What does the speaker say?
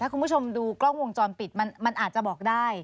คุณผู้ชมดูกล้องวงจรปิดมันอาจจะบอกได้